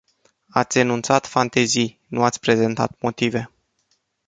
Ați enunțat fantezii, nu ați prezentat motive.